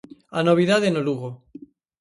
A novidade no Lugo.